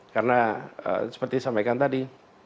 karena seperti disampaikan tadi